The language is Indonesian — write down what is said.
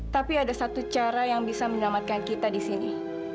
tapi ada satu cara yang bisa menyelamatkan kita di sini